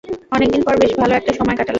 অনেকদিন পর বেশ ভালো একটা সময় কাটালাম!